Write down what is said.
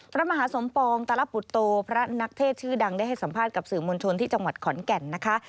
พระมหาสมปองตลปุตโตพระนักเทศชื่อดังได้ให้สัมภาษณ์กับสื่อมวลชนที่จังหวัดขอนแก่นนะคะ